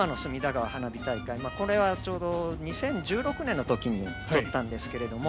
これはちょうど２０１６年の時に撮ったんですけれども。